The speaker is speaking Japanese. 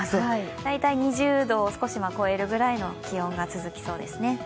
大体２０度を少し超えるぐらいの気温が続きそうですね。